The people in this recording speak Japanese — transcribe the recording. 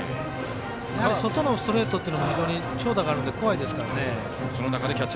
やはり、外のストレートっていうのも非常に長打があるので怖いですからね。